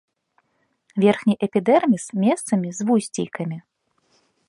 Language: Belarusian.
Верхні эпідэрміс месцамі з вусцейкамі.